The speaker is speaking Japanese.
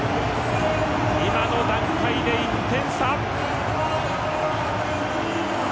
今の段階で１点差！